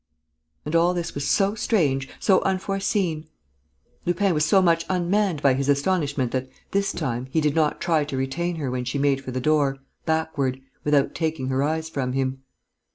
And all this was so strange, so unforeseen; Lupin was so much unmanned by his astonishment, that, this time, he did not try to retain her when she made for the door, backward, without taking her eyes from him.